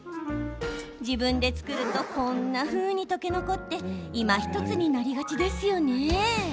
自分で作るとこんなふうに溶け残っていまひとつになりがちですよね。